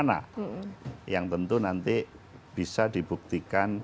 jaksa menyapa masih akan